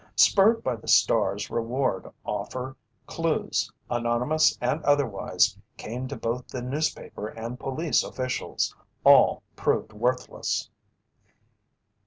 Spurred by the Star's reward offer, clues, anonymous and otherwise, came to both the newspaper and police officials. All proved worthless.